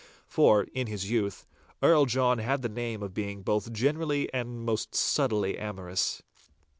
For, in his youth, Earl John had the name of being both generally and most subtly amorous.